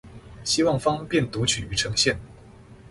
希望方便讀取與呈現